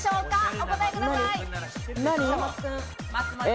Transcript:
お答えください。